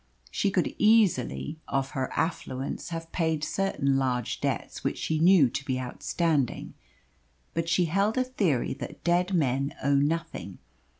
She could easily, of her affluence, have paid certain large debts which she knew to be outstanding, but she held a theory that dead men owe nothing.